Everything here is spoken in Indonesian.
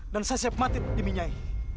dan saya siap mati demi nyai